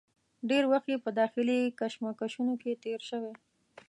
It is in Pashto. ډېر وخت یې په داخلي کشمکشونو کې تېر شوی.